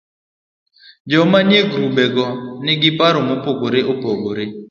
Joma nie grubego nigi paro mopogore opogre